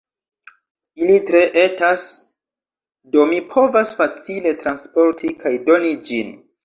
Ili tre etas, do mi povas facile transporti kaj doni ĝin.